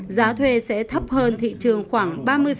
giá thuê sẽ thấp hơn thị trường khoảng ba mươi